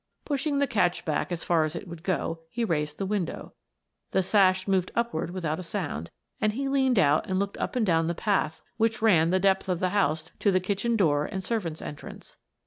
Pushing the catch back as far as it would go, he raised the window the sash moved upward without a sound, and he leaned out and looked up and down the path which ran the depth of the house to the kitchen door and servants' entrance.